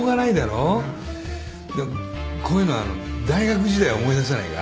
でもこういうのあの大学時代を思い出さないか？